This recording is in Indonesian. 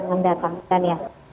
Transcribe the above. dua ribu dua puluh sembilan yang datang